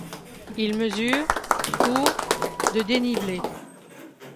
Il mesure pour de dénivelé.